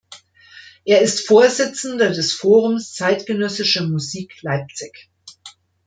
Er ist Vorsitzender des Forums Zeitgenössischer Musik Leipzig.